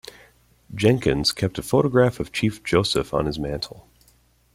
Jenkins kept a photograph of Chief Joseph on his mantle.